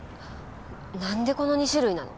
なんでこの２種類なの？